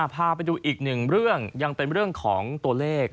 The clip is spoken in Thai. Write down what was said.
พาไปดูอีกหนึ่งเรื่องยังเป็นเรื่องของตัวเลข